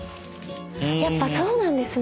やっぱそうなんですね。